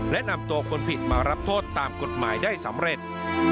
และนำตัวคนผิดมารับโทษตามกฎหมายได้สำเร็จ